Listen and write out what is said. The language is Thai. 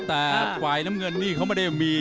แต่ฝ่ายน้ำเงินนี่เขาไม่ได้มี